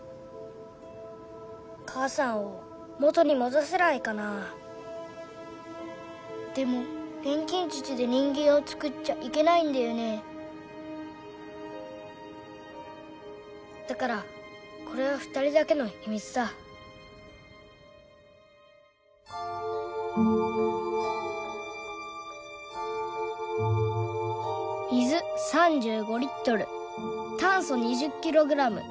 母さんを元に戻せないかなでも錬金術で人間をつくっちゃいけないんだよねだからこれは２人だけの秘密だ水３５リットル炭素２０キログラム